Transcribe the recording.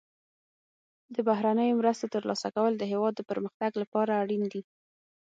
د بهرنیو مرستو ترلاسه کول د هیواد د پرمختګ لپاره اړین دي.